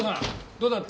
どうだった？